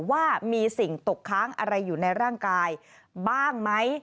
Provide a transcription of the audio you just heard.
ว่ามีสิ่งตกค้างอะไรอยู่ในร่างกายบ้างไหม